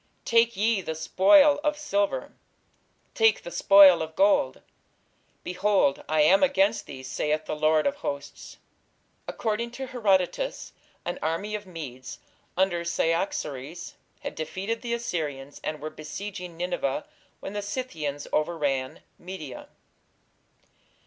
Take ye the spoil of silver, take the spoil of gold.... Behold, I am against thee, saith the Lord of hosts." According to Herodotus, an army of Medes under Cyaxares had defeated the Assyrians and were besieging Nineveh when the Scythians overran Media.